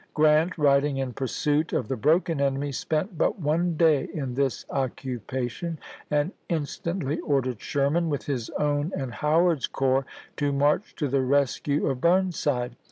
Grant, riding in pursuit of the broken enemy, spent but one day in this occu pation, and instantly ordered Sherman, with his own and Howard's corps, to march to the rescue of Bm*nside.